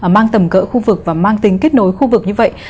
mang tầm cỡ khu vực và mang tính kết nối khu vực như vậy